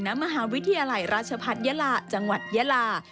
น้ำมหาวิทยาลัยราชพัฒน์เยลาจังหวัดเยลา